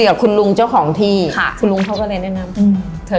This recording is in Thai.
มันเป็นจังหวะชีวิต